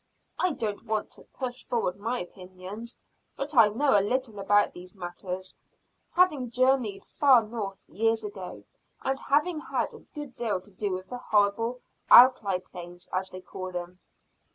I don't want to push forward my opinions, but I know a little about these matters, having journeyed farther north years ago, and having had a good deal to do with the horrible alkali plains, as they called them."